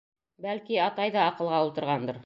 Бәлки, атай ҙа аҡылға ултырғандыр.